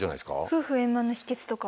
夫婦円満の秘けつとか。